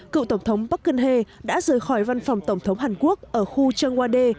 cựu tổng thống park geun hye đã rời khỏi văn phòng tổng thống hàn quốc ở khu trần hoa đê